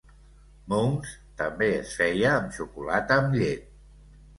"Mounds" també es feia amb xocolata amb llet.